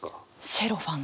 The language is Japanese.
セロファン。